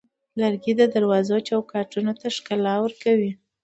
لرګی د دروازو چوکاټونو ته ښکلا ورکوي.